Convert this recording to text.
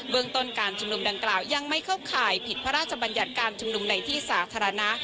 เมืองต้นการชุมนุมดังกล่าวยังไม่เข้าข่ายผิดพระราชบัญญัติการชุมนุมในที่สาธารณะ